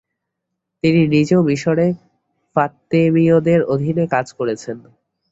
তিনি নিজেও মিশরে ফাতেমীয়দের অধীনে কাজ করেছেন।